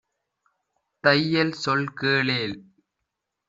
தையல் சொல் கேளேல்.